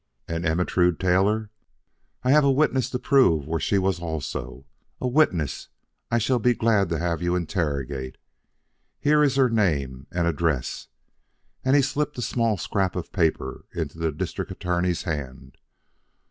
And Ermentrude Taylor! I have a witness to prove where she was also! A witness I should be glad to have you interrogate. Here is her name and address." And he slipped a small scrap of paper into the District Attorney's hand.